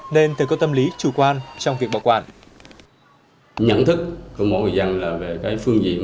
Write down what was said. nên từ có tâm lý chủ quan trong việc bảo quản